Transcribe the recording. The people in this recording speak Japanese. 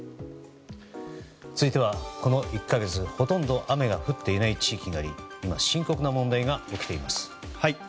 続いてはこの１か月ほとんど雨が降っていない地域があり今、深刻な問題が起きています。